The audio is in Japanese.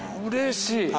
うれしい。